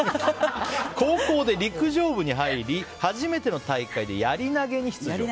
高校で陸上部に入り初めての大会でやり投げに出場。